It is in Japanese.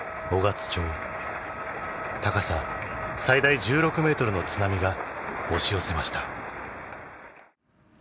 高さ最大１６メートルの津波が押し寄せました。